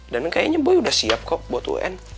dan kayaknya boy udah siap kok buat un